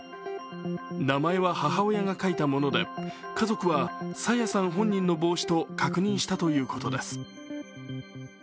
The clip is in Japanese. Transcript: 名前は母親が書いたもので家族は朝芽さん本人の帽子と確認したということです。